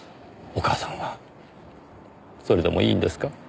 お母さんはそれでもいいんですか？